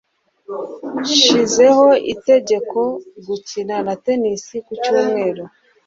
Nshizeho itegeko gukina na tennis Ku cyumweru.